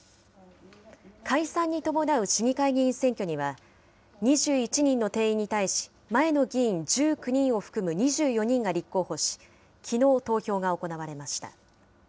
解散に伴う市議会議員選挙には、２１人の定員に対し、前の議員１９人を含む２４人が立候補し、きのう投票が行われました。